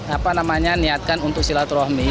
apa namanya niatkan untuk silaturahmi